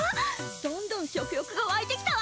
どんどん食よくがわいてきたわ！